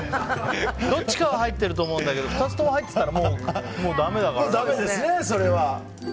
どっちかは入ってると思うんだけど２つとも入ってたらもうだめだから。